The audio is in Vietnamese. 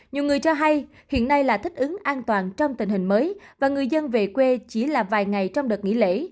nhiều người cho hay hiện nay là thích ứng an toàn trong tình hình mới và người dân về quê chỉ là vài ngày trong đợt nghỉ lễ